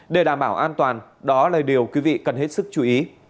để đảm bảo an toàn đó là điều quý vị cần hết sức chú ý